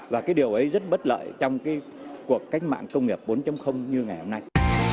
và cái điều ấy rất bất lợi trong cái cuộc cách mạng công nghiệp bốn như ngày hôm nay